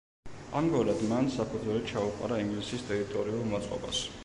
ამგვარად მან საფუძველი ჩაუყარა ინგლისის ტერიტორიულ მოწყობას.